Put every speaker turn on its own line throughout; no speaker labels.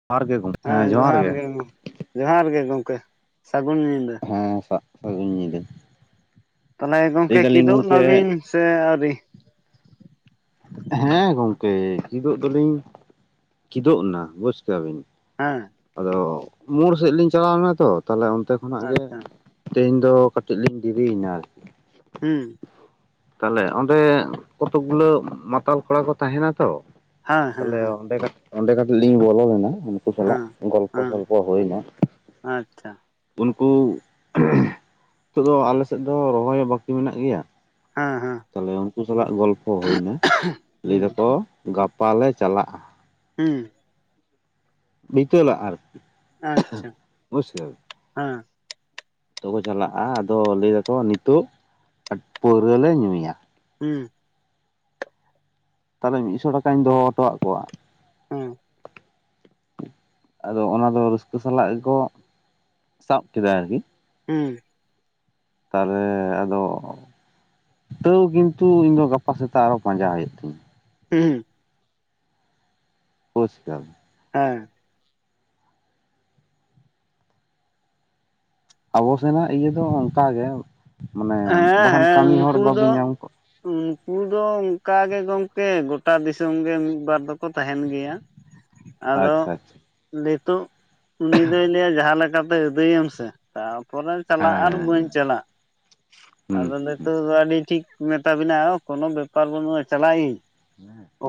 [unintelligible]
ᱦᱮᱸ ᱡᱚᱦᱟᱨ ᱜᱮ ᱜᱚᱢᱠᱮ ᱡᱚᱦᱟᱨ ᱜᱮ ᱜᱚᱢᱠᱮ ᱥᱟᱹᱜᱩᱱ ᱧᱤᱫᱟᱹ ᱾
ᱦᱮᱸ ᱥᱟ ᱥᱟᱹᱜᱩᱱ ᱧᱤᱫᱟᱹ ᱾
ᱛᱟᱦᱟᱞᱮ ᱜᱚᱝᱠᱮ ᱠᱤᱫᱵᱚᱜ
ᱜᱚᱝᱠᱮ
ᱮᱱᱟᱵᱤᱱ ᱥᱮ ᱟᱹᱣᱨᱤ?
ᱦᱮᱸ ᱜᱚᱝᱠᱮ ᱠᱤᱫᱚᱵ ᱫᱚᱞᱤᱧ ᱠᱤᱫᱚᱵ ᱮᱱᱟ ᱵᱩᱡᱽ ᱠᱟᱜᱵᱤᱱ ᱾
ᱦᱮᱸ ᱾
ᱟᱫᱚ ᱢᱳᱲ ᱥᱮᱫ ᱞᱤᱧ ᱪᱟᱞᱟᱣ ᱞᱮᱱᱟ ᱛᱚ ᱛᱟᱦᱞᱮ ᱚᱱᱛᱮ ᱠᱷᱚᱱᱟᱜ ᱜᱮ
ᱟᱪᱪᱷᱟ
ᱛᱮᱦᱮᱧ ᱫᱚ ᱠᱟᱹᱴᱤᱡ ᱞᱤᱧ ᱫᱮᱨᱤᱭᱮᱱᱟ ᱟᱨᱠᱤ ᱾
ᱦᱩᱸ ᱾
ᱛᱟᱦᱟᱞᱮ ᱚᱸᱰᱮ ᱠᱚᱛᱳᱠ ᱜᱩᱞᱟᱹ ᱢᱟᱛᱟᱞ ᱠᱚᱲᱟ ᱠᱚ ᱛᱟᱦᱮᱱᱟ ᱛᱚ ᱾
ᱦᱮᱸ ᱦᱮᱸ
ᱛᱟᱦᱚᱞᱮ
ᱦᱮᱸ
ᱚᱸᱰᱮ ᱚᱸᱰᱮ ᱠᱟᱹᱴᱤᱡ ᱞᱤᱧ ᱵᱚᱞᱚ ᱞᱮᱱᱟ ᱩᱱᱠᱩ ᱥᱟᱞᱟᱜ
ᱦᱮᱸ
᱾ ᱜᱚᱞᱯᱷᱚ
ᱦᱮᱸ
ᱥᱚᱞᱯᱷᱚ ᱦᱩᱭ ᱮᱱᱟ ᱾
ᱟᱪᱪᱷᱟ
[inaudible] ᱩᱱᱠᱩ [inaudible] ᱱᱤᱛᱚᱜ ᱫᱚ ᱟᱞᱮᱥᱮᱫ ᱫᱚ ᱨᱚᱦᱚᱭ ᱦᱚᱸ ᱵᱟᱹᱠᱤ ᱢᱮᱱᱟᱜ ᱜᱮᱭᱟ ᱾
ᱦᱮᱸ ᱦᱮᱸ ᱾
ᱛᱟᱦᱚᱞᱮ ᱩᱱᱠᱩ ᱥᱟᱞᱟᱜ ᱜᱚᱞᱯᱷᱚ ᱦᱩᱭ ᱮᱱᱟ ᱞᱟᱹᱭ
ᱦᱩᱸ
ᱮᱫᱟᱠᱚ ᱜᱟᱯᱟ ᱞᱮ ᱪᱟᱞᱟᱜ-ᱟ ᱾
ᱦᱩᱸ ᱾
ᱵᱷᱤᱛᱟᱹᱞᱟᱜ ᱟᱨᱠᱤ ᱾
ᱟᱪᱪᱷᱟ [inaudible] ᱦᱮᱸ ᱾
ᱡᱚᱛᱚ ᱠᱚ ᱪᱟᱞᱟᱜ-ᱟ ᱟᱫᱚ ᱞᱟᱹᱭ ᱮᱫᱟᱠᱚ ᱱᱤᱛᱚᱜ [inaudible] ᱯᱟᱹᱣᱨᱟᱹ ᱞᱮ ᱧᱩᱭᱟ ᱾
ᱦᱩᱸ ᱾
ᱛᱟᱦᱚᱞᱮ ᱢᱤᱫᱥᱚ ᱴᱟᱠᱟᱧ ᱫᱚᱦᱚ ᱦᱚᱴᱚ ᱟᱫ ᱠᱚᱣᱟ ᱾
ᱦᱮᱸ ᱾
ᱟᱫᱚ ᱚᱱᱟ ᱫᱚ ᱨᱟᱹᱥᱠᱟᱹ ᱥᱟᱞᱟᱜ ᱜᱮᱠᱚ ᱥᱟᱵ ᱠᱮᱫᱟ ᱟᱨᱠᱤ ᱾
ᱦᱩᱸ ᱾
ᱛᱟᱦᱚᱞᱮ ᱟᱫᱚ [inaudible] ᱛᱟᱹᱣ ᱠᱤᱱᱛᱩ ᱤᱧ ᱫᱚ ᱜᱟᱯᱟ ᱥᱮᱛᱟᱜ ᱟᱨᱚ ᱯᱟᱸᱡᱟ ᱦᱩᱭᱩᱜ ᱛᱤᱧᱟ ᱾
ᱦᱮᱸ ᱦᱩᱸ ᱾
ᱵᱩᱡᱽ ᱠᱮᱫᱟᱢ ᱾
ᱦᱮᱸ ᱾
ᱟᱵᱚ ᱥᱮᱱᱟᱜ ᱤᱭᱟᱹ ᱫᱚ ᱚᱱᱠᱟᱜᱮ ᱢᱟᱱᱮ
ᱦᱮᱸ
ᱵᱟᱠᱷᱟᱱ
ᱦᱮᱸ
ᱠᱟᱹᱢᱤ ᱦᱚᱲ
ᱩᱱᱠᱩ ᱫᱚ
ᱵᱟᱵᱤᱱ ᱧᱟᱢ ᱠᱚ
ᱩᱱᱠᱩ ᱫᱚ ᱚᱱᱠᱟ ᱜᱮ ᱜᱚᱝᱠᱮ ᱜᱚᱴᱟ ᱫᱤᱥᱚᱢ ᱜᱮ ᱢᱤᱫ ᱵᱟᱨ ᱫᱚ ᱠᱚ ᱛᱟᱦᱮᱱ ᱜᱮᱭᱟ ᱾
[inaudible]
ᱟᱫᱚ
ᱟᱪᱪᱷᱟ ᱟᱪᱪᱷᱟ
[inaudible] ᱱᱤᱛᱚᱜ ᱩᱱᱤ ᱫᱚᱭ ᱞᱟᱹᱭᱟ ᱡᱟᱦᱟᱸ ᱞᱮᱠᱟᱛᱮ ᱟᱹᱫᱟᱹᱭᱮᱢ ᱥᱮ ᱾ ᱛᱟᱯᱚᱨᱮ ᱪᱟᱞᱟᱜ ᱟᱨ ᱵᱟᱹᱧ
ᱦᱮᱸ
ᱪᱟᱞᱟᱜ ᱾
ᱦᱩᱸ
ᱟᱫᱚ
ᱦᱩᱸ᱾
ᱱᱤᱛᱚᱜ ᱫᱚ ᱟᱹᱰᱤ ᱴᱷᱤᱠ ᱢᱮᱛᱟ ᱵᱤᱱᱟ ᱳ ᱠᱚᱱᱳ ᱵᱮᱯᱟᱨ ᱵᱟᱹᱱᱩᱜ-ᱟ ᱪᱟᱞᱟᱜ ᱟᱹᱧ ᱾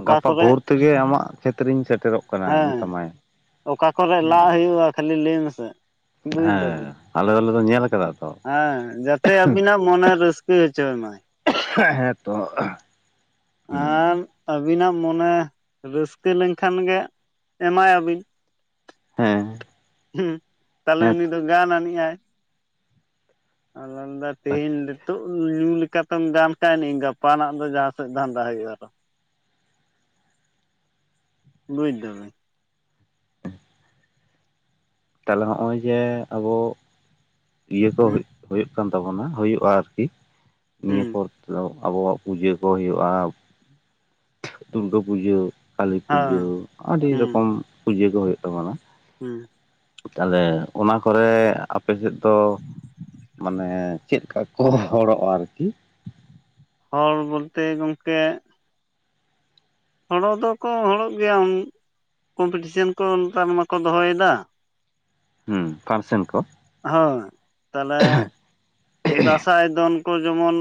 ᱜᱟᱯᱟ ᱵᱷᱳᱨ ᱛᱮᱜᱮ ᱟᱢᱟᱜ ᱠᱷᱮᱛ ᱨᱮᱧ ᱥᱮᱴᱮᱨᱚᱜ ᱠᱟᱱᱟ
ᱦᱮᱸ
ᱢᱮᱛᱟᱢᱟᱭ ᱾
ᱚᱠᱟ ᱠᱚᱨᱮ ᱞᱟᱜ ᱦᱩᱭᱩᱜ-ᱟ ᱠᱷᱟᱹᱞᱤ ᱞᱟᱹᱭ ᱢᱮᱥᱮ ᱵᱩᱡ ᱮᱫᱟᱵᱤᱱ
ᱦᱮᱸ
᱾
ᱟᱞᱮ ᱫᱚ ᱞᱮ ᱧᱮᱞ ᱟᱠᱟᱫᱟ ᱾
ᱦᱮᱸ ᱡᱟᱛᱮ ᱟᱵᱤᱱᱟᱜ ᱢᱚᱱᱮ ᱨᱟᱹᱥᱠᱟᱹ ᱦᱚᱪᱚᱭ ᱢᱟᱭ ᱾
ᱦᱮᱸ ᱛᱚ ᱾
ᱟᱱ ᱟᱹᱵᱤᱱᱟᱜ ᱢᱚᱱᱮ ᱨᱟᱹᱥᱠᱟᱹ ᱞᱮᱱ ᱠᱷᱟᱱ ᱜᱮ ᱮᱢᱟᱭᱟᱵᱤᱱ ᱾
ᱦᱮᱸ
ᱦᱩᱸᱻ ᱛᱟᱞᱦᱮ ᱩᱱᱤ
ᱦᱮᱸᱛᱚ
ᱫᱚ ᱜᱟᱱ ᱟᱹᱱᱤᱡ-ᱟᱭ ᱾ ᱟᱫᱚᱭ ᱢᱮᱱᱫᱟ
ᱟᱪᱪᱷᱟ
ᱛᱮᱦᱮᱸᱧ ᱱᱤᱛᱳᱜ ᱧᱩ ᱞᱮᱠᱟᱛᱮᱢ ᱜᱟᱱ ᱛᱟᱭᱱᱤ ᱜᱟᱯᱟᱱᱟᱜ ᱫᱚ ᱢᱟᱦᱟ ᱥᱮᱫ ᱫᱷᱟᱹᱱᱫᱟ ᱦᱩᱭᱩᱜ-ᱟ ᱟᱨᱚ?
[inaudible]
ᱵᱩᱡᱽ ᱫᱟᱵᱮᱱ?
ᱛᱟᱦᱚᱞᱮ ᱦᱚᱜ-ᱚᱭ ᱡᱮ ᱟᱵᱚ ᱤᱭᱟᱹ ᱠᱚ ᱦ
ᱦᱩᱸ
ᱦᱩᱭᱩᱜ ᱠᱟᱱ ᱛᱟᱵᱚᱱᱟ ᱦᱩᱭᱩᱜ-ᱟ ᱟᱨᱠᱤ ᱱᱤᱭᱟᱹ
ᱦᱩᱸ
ᱯᱚᱨ᱾ ᱛᱚ ᱟᱵᱚᱣᱟᱜ ᱯᱩᱡᱟᱹ ᱠᱚ ᱦᱩᱭᱩᱜ-ᱟ ᱫᱩᱨᱜᱟᱹ ᱯᱩᱡᱟᱹ ᱠᱟᱞᱤ ᱯᱩᱡᱟᱹ
ᱦᱮᱸ
ᱟᱹᱰᱤ
ᱦᱩᱸ
ᱨᱚᱠᱚᱢ ᱯᱩᱡᱟᱹ ᱠᱚ ᱦᱩᱭᱩᱜ ᱛᱟᱵᱚᱱᱟ᱾
ᱦᱩᱸ᱾
ᱛᱟᱦᱚᱞᱮ ᱚᱱᱟ ᱠᱚᱨᱮ ᱟᱯᱮ ᱥᱮᱫ ᱫᱚ ᱢᱟᱱᱮ ᱪᱮᱫ ᱠᱟ ᱠᱚ ᱦᱚᱲᱚᱜ-ᱟ ᱟᱨᱠᱤ?
ᱦᱚᱲ ᱵᱚᱞᱛᱮ ᱜᱚᱝᱠᱮ ᱦᱚᱲᱚ ᱫᱚᱠᱚ ᱦᱚᱲᱚᱜ ᱜᱮᱭᱟ ᱠᱚᱢᱯᱤᱴᱤᱥᱮᱱ ᱠᱚ ᱱᱮᱛᱟᱨᱢᱟᱠᱚ ᱫᱚᱦᱚᱭ ᱮᱫᱟ᱾
ᱦᱩᱸ ᱯᱷᱟᱱᱥᱮᱱ ᱠᱚ᱾
ᱦᱳᱭ ᱛᱟᱞᱦᱮ ᱫᱟᱸᱥᱟᱭ ᱫᱚᱱ ᱠᱚ ᱡᱮᱢᱚᱱ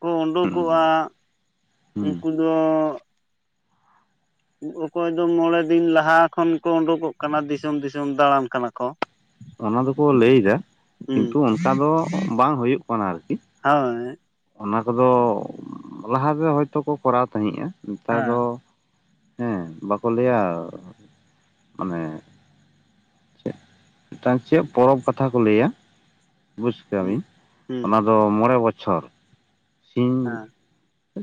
ᱠᱚ
ᱦᱩᱸ
ᱩᱸᱰᱩᱠᱚᱜ-ᱟ
ᱦᱩᱸ
ᱩᱝᱠᱩ ᱫᱚ
[inaudible]
ᱚᱠᱚᱭ ᱫᱚ ᱢᱚᱬᱮ ᱫᱤᱱ ᱞᱟᱦᱟ ᱠᱷᱚᱱ ᱠᱚ ᱩᱸᱰᱩᱠᱚᱜ ᱠᱟᱱᱟ ᱫᱤᱥᱚᱢ-ᱫᱤᱥᱚᱢ ᱫᱟᱬᱟᱱ ᱠᱟᱱᱟ ᱠᱚ᱾
ᱚᱱᱟ ᱫᱚᱠᱚ ᱞᱟᱹᱭ ᱮᱫᱟ
ᱦᱩᱸ
ᱠᱤᱱᱛᱩ ᱚᱱᱠᱟ ᱫᱚ ᱵᱟᱝ ᱦᱩᱭᱩᱜ ᱠᱟᱱᱟ ᱟᱨᱠᱤ᱾
ᱦᱳᱭ᱾
ᱚᱱᱟ ᱠᱚᱫᱚ ᱞᱟᱦᱟ ᱛᱮ ᱦᱚᱭᱛᱚ ᱠᱚ ᱠᱚᱨᱟᱣ ᱛᱟᱦᱮᱸᱜ-ᱟ ᱱᱮᱛᱟᱨ ᱫᱚ
ᱦᱮᱸ
ᱦᱮᱸ ᱵᱟᱠᱚ ᱞᱟᱹᱭᱟ ᱢᱟᱱᱮ ᱢᱤᱫᱴᱟᱝ ᱪᱮᱫ ᱯᱚᱨᱚᱵᱽ ᱠᱟᱛᱷᱟ ᱠᱚ ᱞᱟᱹᱭᱟ?
ᱦᱩᱸ
ᱵᱩᱡᱽᱠᱟᱹᱢᱤ
ᱦᱩᱸ
ᱚᱱᱟ ᱫᱚ ᱢᱚᱬᱮ ᱵᱚᱪᱪᱷᱚᱨ᱾ ᱥᱤᱧ
ᱦᱮᱸ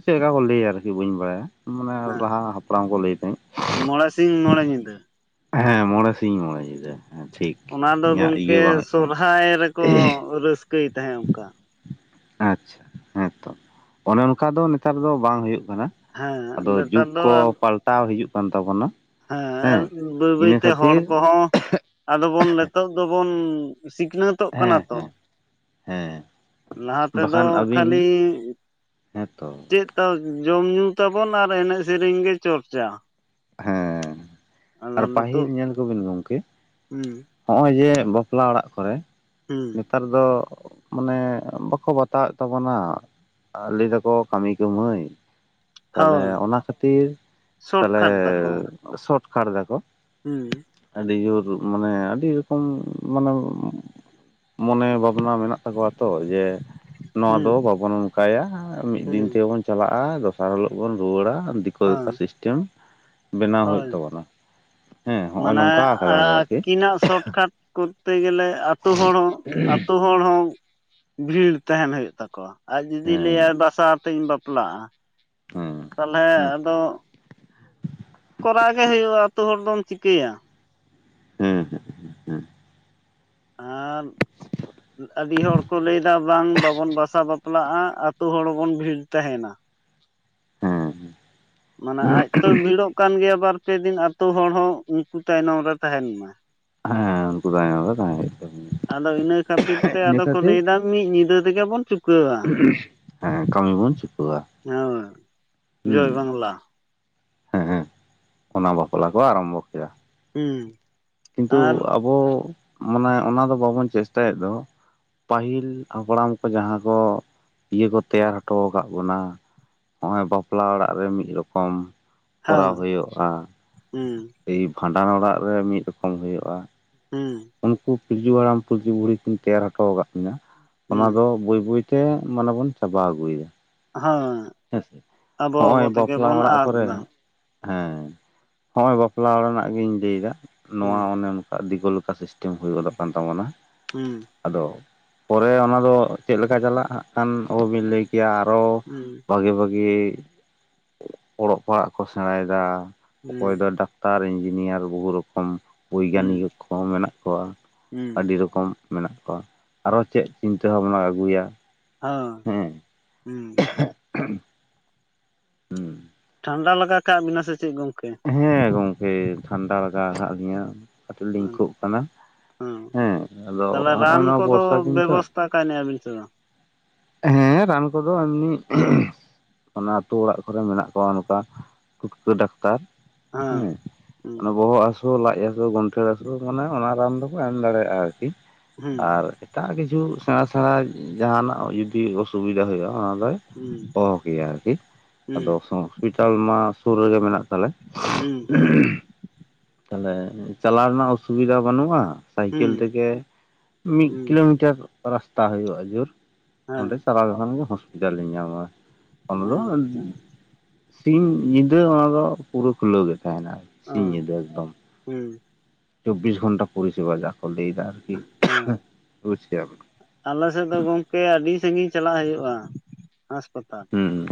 ᱪᱮᱜᱞᱮᱠᱟ ᱠᱚ ᱞᱟᱹᱭᱟ ᱟᱨᱠᱤ ᱵᱟᱹᱧ ᱵᱟᱲᱟᱭᱟ? ᱢᱟᱱᱮ
ᱦᱮᱸ
ᱞᱟᱦᱟ ᱦᱟᱯᱲᱟᱢ ᱠᱚ ᱞᱟᱹᱭ ᱛᱟᱸᱦᱮᱡ᱾
ᱢᱚᱬᱮ ᱥᱤᱧ ᱢᱚᱬᱮ ᱧᱤᱫᱟᱹ᱾
ᱦᱮᱸ ᱢᱚᱬᱮ ᱥᱤᱧ ᱢᱚᱬᱮ ᱧᱤᱫᱟᱹ᱾ ᱦᱮᱸ ᱴᱷᱤᱠ
ᱚᱱᱟ ᱫᱚ
ᱤᱧᱟᱹᱜ ᱤᱭᱟᱹ
ᱜᱚᱝᱠᱮ
ᱵᱟᱝ ᱦᱩᱭᱩᱜ ᱠᱟᱱᱟ
ᱥᱚᱨᱦᱟᱭ ᱨᱮᱠᱚ ᱨᱟᱹᱥᱠᱟᱹᱭ ᱛᱟᱦᱮᱸᱫ ᱚᱱᱠᱟ᱾
ᱟᱪᱪᱷᱟ ᱦᱮᱸ ᱛᱚ ᱚᱱᱮ ᱚᱱᱠᱟ ᱫᱚ ᱱᱮᱛᱟᱨ ᱫᱚ ᱵᱟᱝ ᱦᱩᱭᱩᱜ ᱠᱟᱱᱟ?
ᱦᱮᱸ
ᱟᱫᱚ
ᱱᱮᱛᱟᱨ
ᱡᱩᱜᱽ ᱠᱚ ᱯᱟᱞᱴᱟᱣ ᱦᱤᱡᱩᱜ ᱠᱟᱱ ᱛᱟᱵᱚᱱᱟ᱾
ᱟᱞ
ᱦᱮᱸ
ᱵᱟᱹᱭ
ᱤᱱᱟᱹ
ᱵᱟᱹᱭᱛᱮ ᱦᱚᱲ
ᱠᱷᱟᱹᱛᱤᱨ
ᱠᱚᱦᱚᱸ ᱟᱫᱚ ᱵᱚᱱ ᱱᱤᱛᱚᱜ ᱫᱚᱵᱚᱱ ᱥᱤᱠᱷᱱᱟᱹᱛᱚᱜ ᱠᱟᱱᱟ
ᱦᱮᱸ
ᱛᱚ᱾
ᱦᱮᱸ ᱦᱮᱸ
ᱞᱟᱦᱟ ᱛᱮᱫᱚ
ᱵᱟᱠᱷᱟᱱ ᱟᱹᱵᱤᱱ
ᱠᱷᱟᱹᱞᱤ
ᱦᱮᱸᱛᱚ
ᱪᱮᱫ ᱛᱚ ᱡᱚᱢ ᱧᱩ ᱛᱟᱵᱚᱱ ᱟᱨ ᱮᱱᱮᱡ ᱥᱮᱨᱮᱧ ᱜᱮ ᱪᱚᱨᱪᱟ᱾
ᱦᱮᱸᱻ
ᱟᱫᱚ
ᱟᱨ ᱯᱟᱹᱦᱤᱞ
ᱱᱤᱛᱚᱜ
ᱧᱮᱞ ᱠᱚᱵᱤᱱ ᱜᱚᱢᱠᱮ
ᱦᱩᱸ᱾
ᱦᱚᱜ-ᱚᱭ ᱡᱮ ᱵᱟᱯᱞᱟ ᱚᱲᱟᱜ ᱠᱚᱨᱮ
ᱦᱩᱸ᱾
ᱱᱮᱛᱟᱨ ᱫᱚ ᱢᱟᱱᱮ ᱵᱟᱠᱚ ᱵᱟᱛᱟᱹᱣᱮᱫ ᱛᱟᱵᱚᱱᱟ᱾ ᱟ ᱞᱟᱹᱭᱫᱟᱠᱚ ᱠᱟᱹᱢᱤ ᱠᱟᱹᱢᱟᱦᱟᱹᱭ᱾ ᱛᱟᱞᱦᱮ
ᱦᱳᱭ
ᱚᱱᱟ ᱠᱷᱟᱹᱛᱤᱨ ᱛᱟᱞᱦᱮ
ᱥᱚᱴᱠᱟᱴ ᱫᱟᱠᱚ
ᱥᱚᱴᱠᱟᱨᱴ ᱮᱫᱟᱠᱚ᱾
ᱦᱩᱸ,
ᱟᱹᱰᱤ ᱡᱳᱨ ᱢᱟᱱᱮ ᱟᱹᱰᱤ ᱨᱚᱠᱚᱢ ᱢᱟᱱᱟᱢ [unintelligible] ᱢᱚᱱᱮ ᱵᱷᱟᱵᱽᱱᱟ ᱢᱮᱱᱟᱜ ᱛᱟᱠᱚᱣᱟ ᱛᱚ, ᱡᱮ ᱱᱚᱣᱟ
ᱦᱩᱸ
ᱫᱚ ᱵᱟᱵᱚᱱ ᱚᱱᱠᱟᱭᱟ, ᱟᱨ ᱢᱤᱫ ᱫᱤᱱ
ᱦᱩᱸ
ᱛᱮᱵᱚᱱ ᱪᱟᱞᱟᱜᱼᱟ, ᱫᱚᱥᱟᱨ ᱦᱤᱞᱚᱜ ᱵᱚᱱ ᱨᱩᱣᱟᱹᱲᱟ ᱫᱤᱠᱩ
ᱦᱮᱸ
ᱫᱮᱠᱟ ᱥᱤᱥᱴᱮᱢ ᱵᱮᱱᱟᱣ ᱦᱩᱭᱩᱜ
ᱦᱳᱭ
ᱛᱟᱵᱚᱱᱟ᱾ ᱦᱮᱸ ᱦᱚᱜᱼᱚᱭ
ᱢᱟᱱᱮ
ᱱᱚᱝᱠᱟ ᱟᱠᱟᱫᱟ ᱠᱚ ᱟᱨᱠᱤ
ᱟᱹᱠᱤᱱᱟᱜ ᱟ ᱥᱚᱴᱠᱟᱨᱴ ᱠᱚᱛᱮ ᱜᱮᱞᱮ, ᱟᱹᱛᱳ ᱦᱚᱲ ᱦᱚᱸ ᱟᱹᱛᱳ ᱦᱚᱲ ᱦᱚᱸ ᱵᱷᱤᱲ ᱛᱟᱦᱮᱱ ᱦᱩᱭᱩᱜ ᱛᱟᱠᱚᱣᱟ, ᱟᱡ ᱡᱩᱫᱤ
ᱦᱮᱸ
ᱞᱟᱹᱭᱟᱭ ᱵᱟᱥᱟ ᱟᱛᱮᱫ ᱤᱧ ᱵᱟᱯᱞᱟᱜᱼᱟ᱾
ᱦᱮᱸ
ᱛᱟᱞᱦᱮ
ᱦᱮᱸ
ᱟᱫᱚ, ᱠᱚᱨᱟᱣ ᱜᱮ ᱦᱩᱭᱩᱜᱼᱟ ᱟᱹᱛᱩ ᱦᱚᱲ ᱫᱚᱢ ᱪᱤᱠᱟᱹᱭᱟ᱾
ᱦᱮᱸ ᱦᱮᱸ ᱦᱮᱸ ᱦᱮᱸ [unintelligible]
ᱟᱨ [inaudible] ᱟᱹᱰᱤ ᱦᱚᱲ ᱠᱚ ᱞᱟᱹᱭᱮᱫᱟ ᱵᱟᱝ ᱵᱟᱵᱚᱱ ᱵᱟᱥᱟ ᱵᱟᱯᱞᱟᱜᱼᱟ, ᱟᱛᱩ ᱦᱚᱲ ᱦᱚᱵᱚᱱ ᱵᱷᱤᱲ ᱛᱟᱦᱮᱱᱟ᱾
ᱦᱩᱸ,
ᱢᱟᱱᱮ ᱟᱡᱛᱚᱭ ᱵᱷᱤᱲᱚᱜ ᱠᱟᱱ ᱜᱮᱭᱟ ᱵᱟᱨ ᱯᱮ ᱫᱤᱱ ᱟᱛᱩ ᱦᱚᱲ ᱦᱚᱸ ᱩᱱᱠᱩ ᱛᱟᱭᱱᱚᱢ ᱨᱮ ᱛᱟᱦᱮᱱ ᱢᱮ᱾
ᱦᱮᱸ ᱩᱱᱠᱩ ᱛᱟᱭᱱᱚᱢ ᱨᱮ [unintelligible] ᱛᱟᱦᱮ ᱦᱩᱭᱩᱜᱼᱟ᱾
ᱟᱫᱚ ᱤᱱᱟᱹ ᱠᱷᱟᱹᱛᱤᱨ ᱛᱮ ᱟᱫᱚ ᱠᱚ
ᱠᱷᱟᱹᱛᱤᱨ
ᱞᱟᱹᱭᱮᱫᱟ ᱢᱤᱫ ᱧᱤᱫᱟᱹ ᱛᱮᱜᱮ ᱵᱚᱱ ᱪᱩᱠᱟᱹᱣᱟ᱾
ᱦᱮᱸ ᱠᱟᱹᱢᱤ ᱵᱚᱱ ᱪᱩᱠᱟᱹᱣᱟ᱾
ᱦᱳᱭ, [unintelligible] ᱡᱚᱭ
ᱦᱩᱸ
ᱵᱟᱝᱞᱟ ᱾
ᱦᱮᱸ, ᱚᱱᱟ ᱵᱟᱯᱞᱟ ᱠᱚ ᱟᱨᱚᱢᱵᱷᱚ ᱠᱮᱫᱟ᱾
ᱦᱩᱸ,
ᱠᱤᱱᱛᱩ
ᱟᱨ
ᱟᱵᱚ ᱢᱟᱱᱮ ᱚᱱᱟ ᱫᱚ ᱵᱟᱵᱚᱱ ᱪᱮᱥᱴᱟᱭᱮᱫ ᱫᱚ ᱯᱟᱹᱦᱤᱞ ᱦᱟᱯᱲᱟᱢ ᱠᱚ ᱡᱟᱦᱟᱸ ᱠᱚ ᱤᱭᱟᱹ ᱠᱚ ᱛᱮᱭᱟᱨ ᱦᱚᱴᱚ ᱟᱠᱟᱫ ᱵᱚᱱᱟ, ᱱᱚᱜᱼᱚᱭ ᱵᱟᱯᱞᱟ ᱚᱲᱟᱜ ᱨᱮ ᱢᱤᱫ ᱨᱚᱠᱚᱢ ᱠᱚᱨᱟᱣ
ᱦᱳᱭ
ᱦᱩᱭᱩᱜᱼᱟ᱾
ᱦᱩᱸ,
ᱮᱭ ᱵᱷᱟᱸᱰᱟᱱ ᱚᱲᱟᱜ ᱨᱮ ᱢᱤᱫ ᱨᱮᱠᱚᱢ ᱦᱩᱭᱩᱜᱼᱟ᱾
ᱦᱩᱸ,
ᱩᱱᱠᱩ ᱯᱤᱞᱪᱩ ᱦᱟᱲᱟᱢ ᱯᱤᱞᱪᱩ ᱵᱩᱲᱦᱤ ᱠᱤᱱ ᱛᱮᱭᱟᱨ ᱦᱚᱴᱚ ᱟᱠᱟᱫ ᱠᱤᱱᱟ, ᱚᱱᱟ
ᱦᱩᱸ
ᱫᱚ ᱵᱟᱹᱭ ᱵᱟᱹᱭ ᱛᱮ ᱢᱟᱱᱮ ᱵᱚᱱ ᱪᱟᱵᱟ ᱟᱹᱜᱩᱭᱮᱫᱟ᱾
ᱦᱸ [unintelligible]
[unintelligible] ᱦᱮᱸᱥᱮ ᱦᱚᱜᱼᱚᱸᱭ ᱵᱟᱯᱞᱟ ᱚᱲᱟᱜ
ᱟᱫ
ᱠᱚᱨᱮ,
ᱫᱟ
ᱦᱮᱸ, ᱦᱚᱜᱼᱚᱭ ᱵᱟᱯᱞᱟ ᱚᱲᱟᱜ ᱨᱮᱱᱟᱜ ᱜᱤᱧ ᱞᱟᱹᱭᱮᱫᱟ, ᱱᱚᱣᱟ
ᱦᱩᱸ
ᱚᱱᱮ ᱚᱱ ᱟᱰᱤ ᱫᱤᱠᱩ ᱞᱮᱠᱟ ᱥᱤᱥᱴᱮᱢ ᱦᱩᱭ ᱜᱚᱫᱚᱜ ᱠᱟᱱ ᱛᱟᱵᱚᱱᱟ᱾
ᱦᱩᱸ,
ᱟᱫᱚ ᱯᱚᱨᱮ ᱚᱱᱟᱫᱚ ᱪᱮᱫ ᱞᱮᱠᱟ ᱪᱟᱞᱟᱜ ᱦᱟᱜ ᱠᱦᱟᱱ ᱚᱵᱚᱵᱤᱱ ᱞᱟᱹᱭ ᱠᱮᱭᱟ, ᱟᱨᱚ
ᱦᱩᱸ,
ᱵᱷᱟᱜᱮ ᱵᱷᱟᱜᱤ, ᱚᱞᱚᱜ ᱯᱟᱲᱦᱟᱜ ᱠᱚ ᱥᱮᱬᱟᱭᱮᱫᱟ ᱚᱠᱚᱭ
ᱦᱩᱸ
ᱫᱚ ᱰᱟᱠ -ᱴᱟᱨ, ᱤᱧᱡᱤᱱᱤᱭᱟᱨ, ᱩᱦᱚ ᱨᱚᱠᱚᱢ
ᱦᱩᱸ
ᱵᱮᱭᱜᱟᱱᱤᱭᱩᱠ ᱠᱚ ᱦᱚᱸ ᱢᱮᱱᱟᱜ ᱠᱚᱣᱟ
ᱦᱩᱸ
ᱟᱹᱰᱤ ᱨᱮᱠᱚᱢ᱾ ᱢᱮᱱᱟᱜ ᱠᱚᱣᱟ, ᱟᱨᱚ ᱪᱮᱫ ᱪᱤᱱᱛᱟᱹ ᱵᱷᱟᱵᱱᱟᱢ ᱟᱹᱜᱩᱭᱟ
ᱦᱟᱸ
ᱦᱮᱸ
[unintelligible] ᱦᱩᱸ
[unintelligible]
ᱴᱷᱟᱱᱰᱟ ᱞᱟᱜᱟᱣ ᱠᱟᱜ ᱵᱤᱱᱟ ᱥᱮ ᱪᱮᱫ ᱜᱚᱝᱠᱮ?
ᱦᱮᱸ ᱜᱚᱝᱠᱮ ᱴᱷᱟᱱᱰᱟ ᱞᱟᱜᱟᱣ ᱟᱠᱟᱫ ᱞᱤᱧᱟᱹ ᱠᱟᱹᱴᱤᱡ ᱞᱤᱧ
ᱦᱚᱸ
ᱠᱷᱩᱜ ᱠᱟᱱᱟ᱾ ᱦᱮᱸ, ᱟᱫᱚ
ᱛᱟᱦᱚᱞᱮ
ᱱᱚᱜᱼᱚᱭ
ᱨᱟᱱ
ᱱᱚᱣᱟ
ᱠᱚᱫᱚ
ᱵᱚᱨᱥᱟ ᱫᱤᱱ ᱛᱚ,
ᱵᱮᱵᱚᱥᱛᱷᱟ ᱠᱟᱭᱱᱟ ᱵᱤᱱ ᱥᱮ ᱵᱟᱝ?
ᱦᱮᱸ ᱨᱟᱱ ᱠᱚᱫᱚ ᱤᱢᱱᱤ [unintelligible] ᱚᱱᱟ ᱟᱛᱩ ᱚᱲᱟᱜ ᱠᱚᱨᱮ ᱢᱮᱱᱟᱜ ᱠᱚᱣᱟ, ᱱᱚᱝᱠᱟ ᱴᱩᱴᱠᱟᱹ ᱰᱟᱠᱛᱟᱨ᱾ ᱦᱮ,
ᱦᱮᱸ
ᱸ [unintelligible]
ᱦᱩᱸ
ᱚᱱᱮ ᱵᱚᱦᱚᱜ ᱦᱟᱹ ᱥᱩ ᱞᱟᱡ ᱦᱟᱹᱥᱩ ᱜᱚᱱᱴᱷᱮ ᱦᱟᱹᱥᱩ ᱢᱟᱱᱮ ᱚᱱᱟ ᱨᱟᱱ ᱫᱚᱠᱚ ᱮᱢ ᱫᱟᱲᱮᱭᱟᱜᱼᱟ ᱟᱨᱠᱤ ᱟᱨᱼᱼ
ᱦᱩᱸ
ᱮᱴᱟᱜ ᱠᱤᱪᱷᱩ ᱥᱮᱬᱟ ᱥᱮᱬᱟ ᱡᱟᱦᱟᱱᱟᱜ ᱡᱩᱫᱤ ᱚᱥᱩᱵᱤᱫᱟ ᱦᱩᱭᱩᱜᱼᱟ᱾ ᱚᱱᱟ ᱫᱚᱭ ᱚᱦᱚ ᱠᱮᱭᱟ ᱟᱨᱠᱤ ᱟᱫᱚ
ᱦᱩᱸ
ᱦᱚᱸᱥᱯᱤᱴᱟᱞ ᱢᱟ ᱥᱩᱨ ᱨᱮᱜᱮ ᱢᱮᱱᱟᱜ ᱛᱟᱞᱮ᱾
ᱦᱩᱸ ᱦᱩᱸ᱾
ᱛᱟᱦᱞᱮ ᱪᱟᱞᱟᱣ ᱨᱮᱱᱟᱜ ᱚᱥᱩᱵᱤᱫᱷᱟ ᱵᱟᱹᱱᱩᱜᱼᱟ
ᱦᱩᱸ
ᱥᱟᱭᱠᱮᱞ
ᱦᱩᱸ
ᱛᱮᱜᱮ ᱢᱤᱫ
ᱦᱩᱸ
ᱠᱤᱞᱳᱢᱤᱴᱟᱨ ᱨᱟᱥᱛᱟ ᱦᱩᱭᱩᱜᱼᱟ ᱡᱩᱨ
ᱦᱮᱸ
ᱚᱸᱰᱮ ᱪᱟᱞᱟᱣ ᱞᱮᱠᱷᱟᱱ ᱜᱮ ᱦᱳᱥ -ᱯᱤᱴᱟᱞ ᱵᱤᱱ ᱧᱟᱢᱟ ᱚᱱᱟ ᱫᱚᱼ-
ᱟᱪᱪᱷᱟ
ᱥᱤᱧ ᱧᱤᱫᱟᱹ ᱚᱱᱟ ᱫᱚ ᱯᱩᱨᱟᱹ ᱠᱷᱩᱞᱟᱹᱣ ᱜᱮ ᱛᱟᱦᱮᱱᱟ ᱥᱤᱧ
ᱚᱸ
ᱧᱤᱫᱟᱹ ᱜᱮ᱾
ᱦᱩᱸ᱾
ᱪᱚᱵᱽᱵᱤᱥ ᱜᱚᱱᱴᱟ ᱯᱚᱨᱤᱥᱮᱵᱟ ᱡᱟᱦᱟ ᱠᱚ ᱞᱟᱹᱭ ᱮᱫᱟ ᱟᱨᱠᱤ
ᱦᱮᱸ
ᱵᱩᱡᱠᱮᱫᱟᱵᱤᱱ?
ᱟᱞᱮ ᱥᱮᱫ ᱫᱚ ᱜᱚᱝᱠᱮ ᱟᱹᱰᱤ ᱥᱟᱜᱤᱧ ᱪᱟᱞᱟᱜ ᱦᱩᱭᱩᱜ-ᱟ ᱦᱟᱸᱥᱯᱟᱛᱟᱞ᱾
ᱦᱩᱸ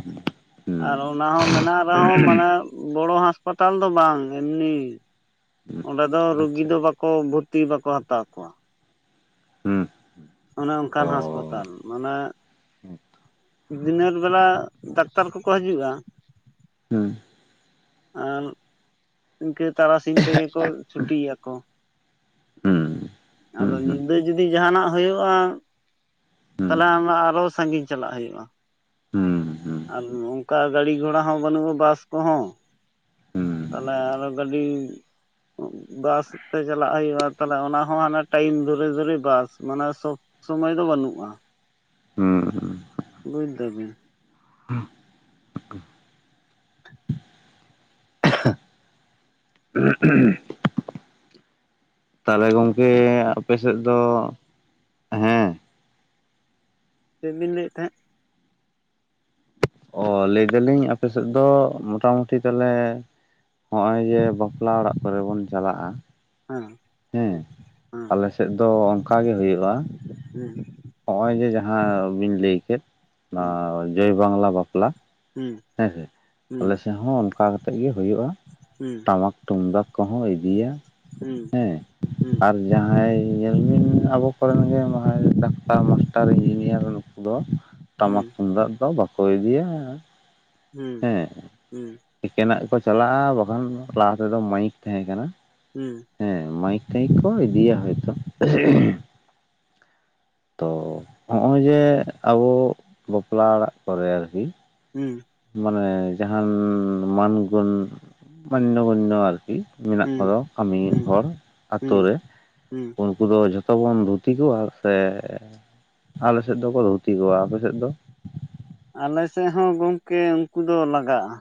ᱦᱩᱸ
ᱟᱨ ᱚᱱᱟ ᱦᱚᱸ ᱢᱮᱱᱟᱜ ᱨᱮᱦᱚᱸ ᱢᱟᱱᱮ ᱵᱚᱲᱚ ᱦᱟᱸᱥᱯᱟᱛᱟᱞ ᱫᱚ ᱵᱟᱝ ᱮᱢᱱᱤ ᱚᱸᱰᱮ ᱫᱚ ᱨᱳᱜᱤ
ᱟᱪᱪᱷᱟ
ᱫᱚ ᱵᱟᱠᱚ ᱵᱷᱩᱨᱛᱤ ᱵᱟᱠᱚ ᱦᱟᱛᱟᱣ ᱠᱚᱣᱟ᱾
ᱦᱩᱸ᱾
ᱚᱱᱮ ᱚᱱᱠᱟᱱ
ᱚ
ᱦᱟᱸᱥᱯᱟᱛᱟᱞ ᱢᱟᱱᱮ
ᱦᱩᱸ
ᱫᱤᱱᱮᱹᱨ ᱵᱮᱞᱟ ᱰᱟᱠᱛᱟᱨ ᱠᱚᱠᱚ ᱦᱤᱡᱩᱜ-ᱟ᱾
ᱦᱩᱸ᱾
ᱟᱨ ᱤᱱᱠᱟᱹ ᱛᱟᱨᱟᱥᱤᱧ ᱛᱮᱜᱮ ᱠᱚ ᱪᱷᱩᱴᱤᱭᱟᱠᱚ᱾
ᱦᱩᱸ ᱦᱩᱸ
ᱟᱫᱚ ᱧᱤᱫᱟᱹ ᱡᱩᱫᱤ ᱡᱟᱦᱟᱱᱟᱜ ᱦᱩᱭᱩᱜ-ᱟ
ᱦᱩᱸ
ᱛᱟᱦᱚᱞᱮ ᱚᱱᱟ ᱟᱨᱚ ᱥᱟᱺᱜᱤᱧ ᱪᱟᱞᱟᱜ ᱦᱩᱭᱩᱜ-ᱟ᱾
ᱦᱩᱸ ᱦᱩᱸ ᱦᱩᱸ᱾
ᱚᱱᱠᱟ ᱜᱟᱹᱰᱤ ᱜᱷᱚᱲᱟ ᱦᱚᱸ ᱵᱟᱹᱱᱩᱜ-ᱟ ᱵᱟᱥ ᱠᱚᱦᱚᱸ ᱛᱟᱦᱚᱞᱮ
ᱦᱩᱸ
ᱟᱨᱚ ᱜᱟᱹᱰᱤ ᱵᱟᱥ ᱛᱮ ᱪᱟᱞᱟᱜ ᱦᱩᱭᱩᱜ-ᱟ ᱛᱟᱦᱚᱞᱮ ᱚᱱᱟ ᱦᱚᱸ ᱦᱟᱱᱮ ᱴᱟᱭᱤᱢ ᱫᱷᱩᱨᱮ ᱫᱷᱩᱨᱮ ᱵᱟᱥ ᱢᱟᱱᱮ ᱥᱚᱨᱼᱼ ᱥᱚᱢᱚᱭ ᱫᱚ ᱵᱟᱹᱱᱩᱜ-ᱟ᱾
ᱦᱩᱸ᱾
ᱵᱩᱡᱽ ᱫᱟᱹᱵᱤᱱ?
[unintelligible] ᱛᱟᱦᱚᱞᱮ ᱜᱚᱝᱠᱮ ᱟᱯᱮᱥᱮᱫ ᱫᱚ ᱦᱮᱸ᱾
ᱪᱮᱫ ᱵᱤᱱ ᱞᱟᱹᱭᱮᱫ ᱛᱟᱦᱮᱸᱫ?
ᱚ ᱞᱟᱹᱭ ᱫᱟᱞᱤᱧ ᱟᱯᱮ ᱥᱮᱫ ᱫᱚ ᱢᱚᱴᱟ ᱢᱩᱴᱤ ᱛᱟᱦᱚᱞᱮ ᱦᱚᱜ-ᱚᱭ ᱡᱮ ᱵᱟᱯᱞᱟ ᱚᱲᱟᱜ ᱠᱚᱨᱮ ᱵᱚᱱ ᱪᱟᱞᱟᱜ-ᱟ᱾
ᱦᱮᱸ᱾
ᱦᱮᱸ ᱟᱞᱮᱥᱮᱫ ᱫᱚ ᱚᱱᱠᱟ ᱜᱮ ᱦᱩᱭᱩᱜ-ᱟ᱾
ᱦᱮᱸ᱾
ᱦᱚᱜ-ᱚᱭ ᱡᱮ ᱡᱟᱦᱟᱸ ᱵᱤᱱ ᱞᱟᱹᱭ ᱠᱮᱫ ᱚᱱᱟ
ᱦᱮᱸ
ᱡᱚᱭ ᱵᱟᱝᱞᱟ ᱵᱟᱯᱞᱟ᱾ ᱦᱮᱸ ᱥᱮ
ᱦᱮᱸ ᱦᱮᱸ
ᱟᱞᱮ ᱥᱮᱫ ᱦᱚᱸ ᱚᱱᱠᱟ ᱠᱟᱛᱮ ᱜᱮ ᱦᱩᱭᱩᱜ-ᱟ᱾
ᱦᱮᱸ
ᱴᱟᱢᱟᱠ ᱛᱩᱢᱫᱟᱜ ᱠᱚᱦᱚᱸ ᱤᱫᱤᱭᱟ᱾
ᱦᱩᱸ
ᱦᱮᱸ
ᱦᱩᱸ᱾
ᱟᱨ ᱡᱟᱦᱟᱸᱭ ᱧᱮᱞᱵᱤᱱ ᱟᱵᱚ ᱠᱚᱨᱮᱱ ᱜᱮ ᱢᱟᱦᱟᱭ ᱰᱟᱠᱛᱟᱨ ᱟᱨ ᱢᱟᱥᱴᱟᱨ ᱤᱧᱡᱤᱱᱤᱭᱟᱨ ᱱᱩᱠᱩ ᱫᱚ
ᱦᱮᱸ ᱦᱮᱸ
ᱴᱟᱢᱟᱠ ᱛᱩᱢᱫᱟᱜ ᱫᱚ ᱵᱟᱠᱚ ᱤᱫᱤᱭᱟ᱾ ᱦᱮᱸ
ᱦᱮᱸ
ᱮᱠᱮᱱᱟᱜ ᱜᱮᱠᱚ ᱪᱟᱞᱟᱜ-ᱟ ᱵᱟᱠᱷᱟᱱ ᱞᱟᱦᱟ ᱛᱮᱫᱚ ᱢᱟᱹᱭᱤᱠ ᱛᱟᱦᱮᱸ ᱠᱟᱱᱟ᱾
ᱦᱩᱸ᱾
ᱦᱮᱸ ᱢᱟᱭᱤᱠ ᱴᱟᱭᱤᱠ ᱠᱚ ᱤᱫᱤᱭᱟ ᱦᱚᱭᱛᱚ [unintelligible] ᱛᱚ ᱦᱚᱜᱼᱚᱭ ᱡᱮ ᱟᱵᱚ ᱵᱟᱯᱞᱟ ᱚᱲᱟᱜ ᱠᱚᱨᱮ ᱟᱨᱠᱤ
ᱦᱩᱸ᱾
ᱢᱟᱱᱮ ᱡᱟᱦᱟᱱ ᱢᱟᱱ ᱜᱚᱱ ᱢᱟᱱᱱᱚ ᱜᱚᱱᱱᱚ ᱟᱨᱠᱤ ᱢᱮᱱᱟᱜ ᱠᱚᱫᱚ ᱠᱟᱹᱢᱤ
ᱦᱮᱸ
ᱦᱚᱲ
ᱦᱮᱸ
ᱟᱛᱳ
ᱦᱮᱸ
ᱨᱮ
ᱦᱮᱸ
ᱩ ᱩᱱᱠᱩ ᱫᱚ ᱡᱷᱚᱛᱚ ᱵᱚᱱ ᱫᱷᱩᱛᱤ ᱠᱚᱣᱟ ᱥᱮ ᱟᱞᱮᱥᱮᱫ ᱫᱚᱠᱚ ᱫᱷᱩᱛᱤ ᱠᱚᱣᱟ ᱟᱯᱮᱥᱮᱫ ᱫᱚ?
ᱟᱞᱮ ᱥᱮᱫ ᱦᱚᱸ ᱜᱚᱝᱠᱮ ᱩᱱᱠᱩ ᱫᱚ ᱞᱟᱜᱟᱜᱼᱟ᱾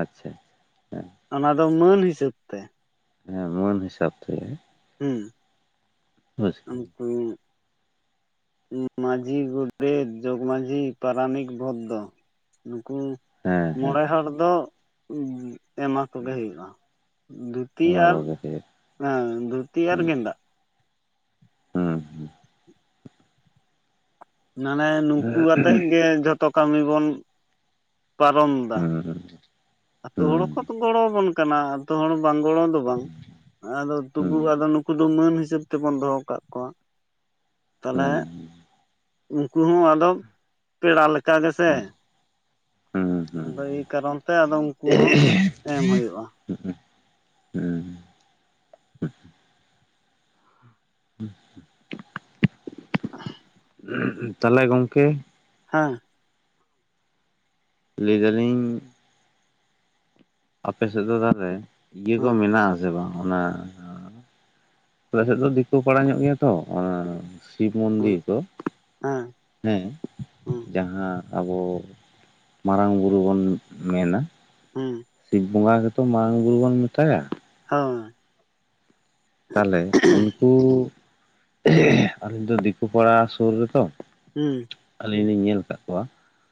ᱟᱪᱪᱷᱟ ᱦᱮᱸ᱾
ᱚᱱᱟ ᱫᱚ ᱢᱟᱹᱱ ᱦᱤᱥᱟᱹᱵ ᱛᱮ᱾
ᱦᱮᱸ ᱢᱟᱹᱱ ᱦᱤᱥᱟᱹᱵ ᱛᱮᱜᱮ᱾
ᱦᱩᱸ᱾
ᱦᱳᱭ᱾
ᱩᱸ ᱢᱟᱺᱡᱷᱤ, ᱜᱚᱰᱮᱛ, ᱡᱚᱜᱽᱢᱟᱺᱡᱷᱤ, ᱯᱟᱨᱟᱱᱤᱠ, ᱵᱚᱫᱽᱫᱚ ᱱᱩᱠᱩ
ᱦᱮᱸ ᱦᱮᱸ
ᱢᱚᱬᱮ ᱦᱚᱲ ᱫᱚ ᱮᱢᱟ ᱠᱚᱜᱮ ᱦᱩᱭᱩᱜᱼᱟ ᱫᱩ ᱛᱤ
ᱚᱱᱟ
ᱟᱨ
ᱠᱚᱜᱮ ᱦᱩᱭᱩᱜ
ᱟ ᱫᱩᱛᱤ ᱟᱨ ᱜᱮᱫᱟᱜ᱾
ᱦᱩᱸ ᱦᱩᱸ᱾
ᱢᱟᱱᱮ ᱱᱩᱝᱠᱩ ᱟᱛᱮᱜ ᱜᱮ ᱡᱷᱚᱛᱚ ᱠᱟᱹᱢᱤ ᱵᱚᱱ ᱯᱟᱨᱚᱢ ᱫᱟ᱾
ᱦᱩᱸ ᱦᱩᱸ
ᱟᱹᱛᱳ
ᱦᱩᱸ
ᱜᱚᱲᱚ ᱟᱵᱚᱱ ᱠᱟᱱᱟ᱾ ᱛᱤ ᱦᱚᱲ ᱵᱟᱝ ᱜᱚᱲᱚ ᱫᱚ ᱵᱟᱝ ᱟᱫᱚ
ᱦᱩᱸ
ᱛᱩᱵᱩᱱᱩ ᱯᱩ ᱢᱟᱹᱱ ᱦᱤᱥᱟᱹᱵ ᱛᱮᱵᱚᱱ ᱫᱚᱦᱚ ᱠᱟᱜ ᱠᱚᱣᱟ, ᱛᱟᱦᱚᱞᱮ
ᱦᱩᱸ
ᱩᱱᱠᱩ ᱦᱚᱸ ᱟᱫᱚ ᱯᱮᱲᱟ ᱞᱮᱠᱟ ᱜᱮᱥᱮ
ᱦᱩᱸ ᱦᱩᱸ ᱦᱩᱸ
ᱟᱫᱚ ᱮᱭ ᱠᱟᱨᱚᱱ ᱛᱮ ᱟᱫᱚ ᱩᱱᱠᱩ ᱦᱚᱸ ᱮᱢ ᱦᱳᱭᱳᱜᱼᱟ᱾
ᱦᱩᱸ [unintelligible]
[unintelligible]
ᱛᱟᱦᱚᱞᱮ ᱜᱚᱝᱠᱮ ᱾
ᱦᱟᱸ
ᱞᱟᱹᱭ ᱫᱟᱹᱞᱤᱧ ᱟᱯᱮ ᱥᱮᱫ ᱫᱚ ᱛᱟᱦᱚᱞᱮ ᱤᱭᱟᱹ ᱠᱚ
ᱦᱮᱸ
ᱢᱮᱱᱟᱜᱼᱟ ᱥᱮ ᱵᱟᱝ ᱚᱱᱟ ᱟᱞᱮ ᱥᱮᱫ ᱫᱚ ᱫᱤᱠᱩ ᱯᱟᱲᱟ ᱧᱚᱜ ᱜᱮᱭᱟ ᱛᱚ ᱥᱤᱵ
ᱦᱮᱸ
ᱢᱚᱱᱫᱤᱨ ᱠᱚ᱾
ᱦᱮᱸ
ᱦᱮ
ᱦᱮᱸ
ᱡᱟᱦᱟᱸ ᱟᱵᱚ ᱢᱟᱨᱟᱝ ᱵᱩᱨᱩ ᱵᱚᱱ ᱢᱮᱱᱟ᱾
ᱦᱩᱸ᱾
ᱥᱤᱠᱷ ᱵᱚᱸᱜᱟ ᱜᱮᱛᱚ ᱢᱟᱨᱟᱝ ᱵᱩᱨᱩ ᱵᱚᱱ ᱢᱮᱛᱟᱭᱟ᱾
ᱦᱚᱸ᱾
ᱛᱟᱦᱚᱞᱮ ᱩᱱᱠᱩ ᱟᱞᱮ ᱫᱚ ᱫᱤᱠᱩ ᱯᱟᱲᱟ ᱥᱩᱨ ᱨᱮᱛᱚ᱾
ᱦᱩᱸ᱾
ᱟᱹᱞᱤᱧ ᱞᱤᱧ ᱧᱮᱞ ᱠᱟᱫ ᱠᱚᱣᱟ᱾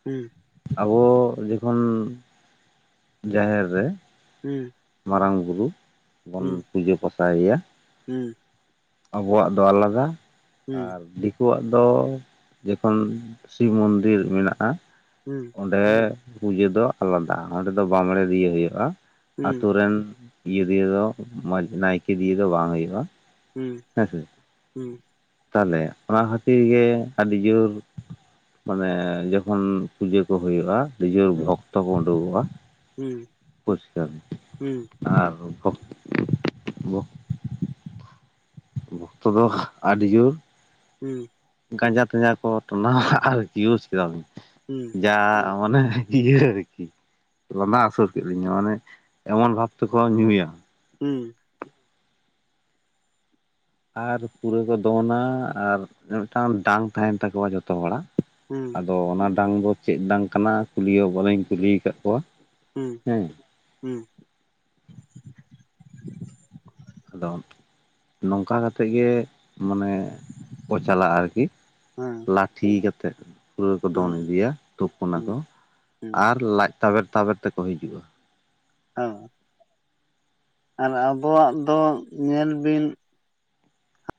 ᱦᱩᱸ᱾
ᱟᱵᱚ ᱡᱚᱠᱷᱚᱱ ᱡᱟᱦᱮᱨ ᱨᱮ
ᱦᱩᱸ᱾
ᱢᱟᱨᱟᱝ ᱵᱩᱨᱩ ᱵᱚᱱ
ᱦᱩᱸ
ᱯᱩᱡᱟᱹ ᱯᱟᱥᱟᱭᱮᱭᱟ᱾
ᱦᱩᱸ
ᱟᱵᱚᱣᱟᱜ ᱫᱚ ᱟᱞᱟᱫᱟ
ᱦᱩᱸ
ᱟᱨ ᱫᱤᱠᱩ ᱩᱱᱠᱩᱣᱟᱜ ᱫᱚ ᱡᱚᱠᱷᱚᱱ ᱥᱤᱵ ᱢᱚᱱᱫᱤᱨ ᱢᱮᱱᱟᱜᱼᱟ᱾
ᱦᱩᱸ᱾
ᱚᱸᱰᱮ ᱯᱩᱡᱟᱹ ᱫᱚ ᱟᱞᱟᱫᱟ ᱚᱸᱰᱮ ᱫᱚ ᱵᱟᱸᱢᱲᱮ ᱫᱤᱭᱮ ᱦᱩᱭᱩᱜᱼᱟ᱾ ᱟᱛᱩ ᱨᱮᱱ ᱤᱭᱟᱹ ᱫᱤᱭᱮ ᱫᱚ ᱢᱚᱸᱡᱽ ᱱᱟᱭᱠᱮ ᱫᱤᱭᱮ ᱫᱚ ᱵᱟᱝ ᱦᱩᱭᱩᱜᱼᱟ᱾ ᱦᱮᱸᱥᱮ
ᱦᱩᱸ
ᱛᱟᱦᱚᱞᱮ ᱚᱱᱟ ᱠᱷᱟᱹᱛᱤᱨ ᱜᱮ ᱟᱹᱰᱤ ᱡᱩᱨ ᱢᱟᱱᱮ ᱡᱚᱠᱷᱚᱱ ᱯᱩᱡᱟᱹ ᱠᱚ ᱦᱩᱭᱩᱜᱼᱟ ᱱᱤᱡᱚᱨ
ᱦᱩᱸ ᱦᱩᱸ
ᱵᱷᱚᱠᱛᱚ ᱠᱚ ᱩᱰᱩᱠᱚᱜᱼᱟ᱾
ᱦᱩᱸ᱾
ᱯᱚᱥᱠ
ᱦᱩᱸ
ᱟᱨ ᱵᱚᱠ ᱵᱷᱚᱠᱛᱚ ᱫᱚ ᱟᱹᱰᱤ ᱡᱩᱨ
ᱦᱩᱸ᱾
ᱜᱟᱸᱡᱟ ᱛᱟᱸᱡᱟ ᱠᱚ ᱴᱚᱱᱟ ᱟᱨ ᱤᱭᱩᱡᱽ ᱠᱮᱫᱟ
ᱦᱩᱸ᱾
ᱡᱟᱻ ᱢᱟᱱᱮ ᱤᱭᱟᱹ ᱟᱨᱠᱤ ᱞᱟᱸᱫᱟ ᱦᱟᱥᱩᱨ ᱠᱮᱫ ᱞᱤᱧᱟᱹ ᱢᱟᱱᱮ ᱮᱢᱚᱱ ᱵᱷᱟᱵ ᱛᱮᱠᱚ ᱧᱩᱭᱟ
ᱦᱩᱸ᱾
ᱟᱨ ᱯᱩᱨᱟᱹ ᱠᱚ ᱫᱚᱱᱟ ᱟᱨ ᱢᱤᱫᱴᱟᱝ ᱰᱟᱝ ᱛᱟᱦᱮᱱ ᱛᱟᱠᱚᱣᱟ ᱡᱚᱛᱚ ᱦᱚᱲᱟᱜ
ᱦᱩᱸ᱾
ᱟᱫᱚ ᱚᱱᱟ ᱰᱟᱝ ᱫᱚ ᱪᱮᱫ ᱰᱟᱝ ᱠᱟᱱᱟ ᱠᱩᱞᱤ ᱦᱚᱸ ᱵᱚᱞᱮᱧ ᱠᱩᱞᱤ ᱟᱠᱟᱫ ᱠᱚᱣᱟ᱾
ᱦᱩᱸ
ᱦᱮᱸ
ᱦᱩᱸ᱾
ᱟᱫᱚ ᱱᱚᱝᱠᱟ ᱠᱟᱛᱮᱫ ᱜᱮ ᱢᱟᱱᱮ ᱠᱚ ᱪᱟᱞᱟᱜᱼᱟ ᱟᱨᱠᱤ
ᱦᱮᱸ
ᱞᱟᱴᱷᱤ ᱠᱟᱛᱮᱫ᱾ ᱯᱩᱨᱟᱹ ᱠᱚ ᱫᱚᱱ
ᱦᱮᱸ
ᱤᱫᱤᱭᱟ ᱛᱩᱯᱩᱱᱟᱠᱚ,
ᱦᱮᱸ ᱦᱮᱸ
ᱟᱨ ᱞᱟᱡ ᱛᱟᱵᱮᱨ ᱛᱟᱵᱮᱨ ᱛᱮᱠᱚ ᱦᱤᱡᱩᱜᱼᱟ᱾
ᱦᱮᱸ᱾ ᱟᱨ ᱟᱵᱚᱣᱟᱜ ᱫᱚ ᱧᱮᱞ ᱵᱤᱱ